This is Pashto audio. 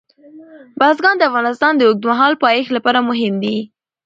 بزګان د افغانستان د اوږدمهاله پایښت لپاره مهم دي.